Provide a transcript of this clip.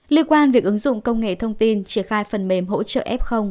liên quan việc ứng dụng công nghệ thông tin triển khai phần mềm hỗ trợ f